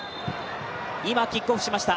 今、キックオフしました。